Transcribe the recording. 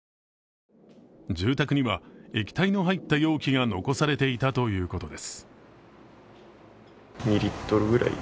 住宅には、液体の入った容器が残されていたということです。